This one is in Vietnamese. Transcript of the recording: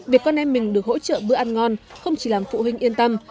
việc con em mình được hỗ trợ bữa ăn ngon không chỉ làm phụ huynh yên tâm